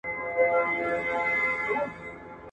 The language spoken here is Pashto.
او په راتلونکي باور.